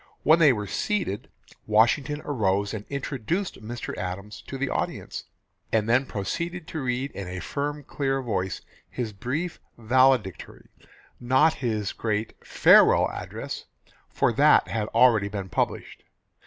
When they were seated Washington arose and introduced Mr. Adams to the audience, and then proceeded to read in a firm clear voice his brief valedictory not his great "Farewell Address," for that had already been published.